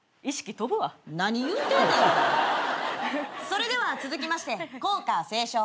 それでは続きまして校歌斉唱。